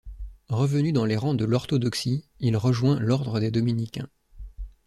Revenu dans les rangs de l'orthodoxie, il rejoint l'ordre des dominicains.